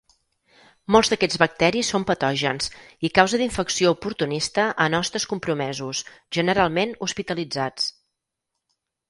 Molts d'aquests bacteris són patògens i causa d'infecció oportunista en hostes compromesos, generalment hospitalitzats.